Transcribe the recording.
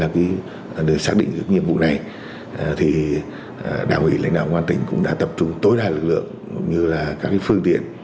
vì lãnh đạo công an tỉnh cũng đã tập trung tối đa lực lượng như các phương tiện